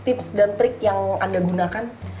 tips dan trik yang anda gunakan